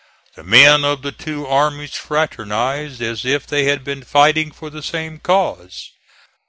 The men of the two armies fraternized as if they had been fighting for the same cause.